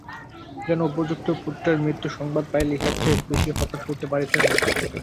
যেন উপযুক্ত পুত্রের মৃত্যু-সংবাদ পাইলে ইহার চেয়ে বেশি হতাশ হইতে পারিতেন না।